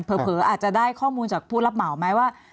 อาจจะได้ข้อมูลจากผู้รับเหมาไหมว่า